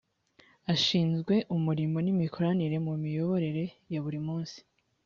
ashinzwe umurimo n’’imikoranire mu miyoborere ya buri munsi